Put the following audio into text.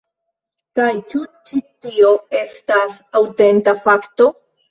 Kaj ĉu ĉi-tio estas aŭtenta fakto?